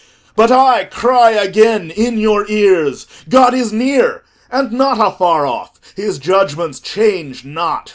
But I cry again in your ears: God is near and not afar off; his judgments change not.